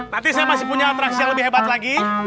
nanti saya masih punya atraksi yang lebih hebat lagi